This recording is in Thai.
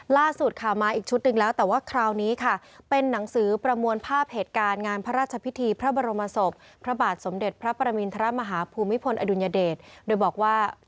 ล่าสุดค่ะมาอีกชุดหนึ่งแล้วแต่ว่าคราวนี้ค่ะเป็นหนังสือประมวลภาพเหตุการณ์งานพระราชพิธีพระบรมศพพระบาทสมเด็จพระปรมินทรมาฮภูมิพลอดุลยเดชโดยบอกว่า